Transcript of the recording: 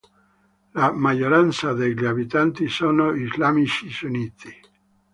La maggioranza degli abitanti sono islamici sunniti.